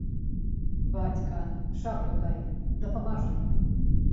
Бацька, шаблю дай, дапамажы!